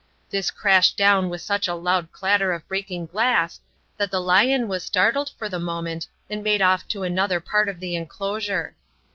This crashed down with such a loud clatter of breaking glass that the lion was startled for the moment and made off to another part of the enclosure.